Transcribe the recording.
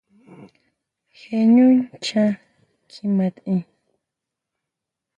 Je ʼñú nchán kjima tʼen.